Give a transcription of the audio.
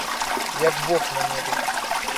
Як бог на небе!